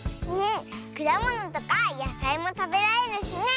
くだものとかやさいもたべられるしね！